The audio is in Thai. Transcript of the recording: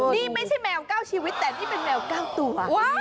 นี่ไม่ใช่แมว๙ชีวิตแต่นี่เป็นแมว๙ตัว